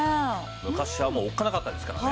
昔はもうおっかなかったですからね。